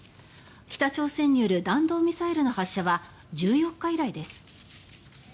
北朝鮮による弾道ミサイルの発射は１４日以来です。